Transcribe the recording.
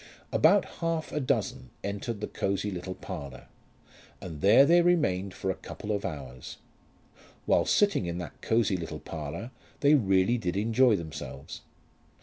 About half a dozen entered the cosy little parlour, and there they remained for a couple of hours. While sitting in that cosy little parlour they really did enjoy themselves.